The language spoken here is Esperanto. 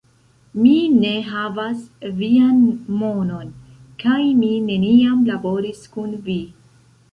Mi ne havas vian monon kaj mi neniam laboris kun vi!